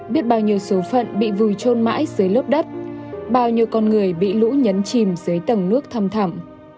biết bao nhiêu số phận bị vùi trôn mãi dưới lớp đất bao nhiêu con người bị lũ nhấn chìm dưới tầng nước thâm thẩm